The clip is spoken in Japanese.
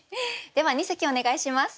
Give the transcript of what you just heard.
では二席お願いします。